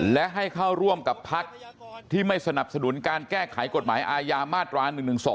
และให้เข้าร่วมกับพักที่ไม่สนับสนุนการแก้ไขกฎหมายอาญามาตรา๑๑๒